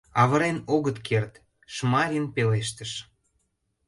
— Авырен огыт керт, — Шмарин пелештыш.